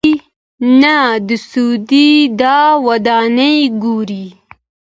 نه د سعودي دا ودانۍ ګوري.